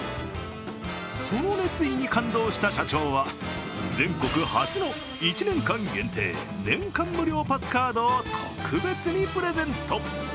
その熱意に感動した社長は全国初の１年間限定・年間無料パスカードを特別にプレゼント。